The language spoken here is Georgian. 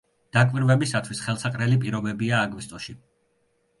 დაკვირვებისათვის ხელსაყრელი პირობებია აგვისტოში.